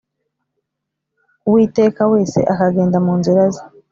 uwiteka wese akagenda mu nzira ze